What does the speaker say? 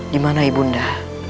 dimana ibu nda